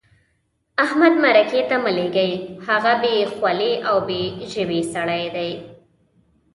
احمد مرکې ته مه لېږئ؛ هغه بې خولې او بې ژبې سړی دی.